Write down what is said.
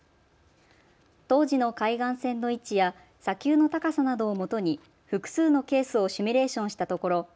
当時の海岸線の位置や砂丘の高さなどをもとに複数のケースをシミュレーションしたところ